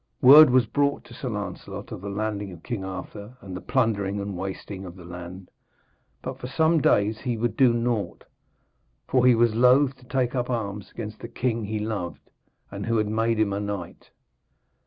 Word was brought to Sir Lancelot of the landing of King Arthur and the plundering and wasting of the land, but for some days he would do naught; for he was loath to take up arms against the king he loved, who had made him a knight.